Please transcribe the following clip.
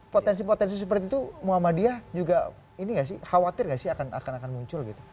potensi potensi seperti itu muhammadiyah juga ini gak sih khawatir gak sih akan muncul gitu